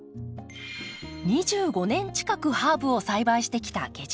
２５年近くハーブを栽培してきた下司さん。